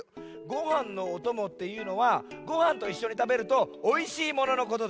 「ごはんのおとも」っていうのはごはんといっしょにたべるとおいしいもののことだよ。